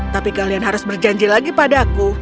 tapi kalian harus berjanji lagi padaku